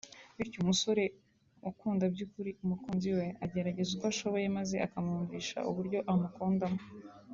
bityo umusore ukunda by’ukuri umukunzi we agerageza uko ashoboye maze akamwumvisha uburyo amukundamo